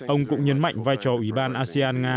ông cũng nhấn mạnh vai trò ủy ban asean nga